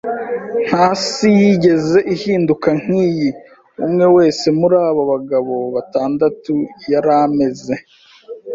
Nta isi yigeze ihinduka nk'iyi. Umwe wese muri abo bagabo batandatu yari ameze